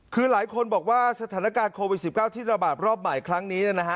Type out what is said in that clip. คือหลายคนบอกว่าสถานการณ์โควิด๑๙ที่ระบาดรอบใหม่ครั้งนี้